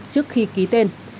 trước khi ký tên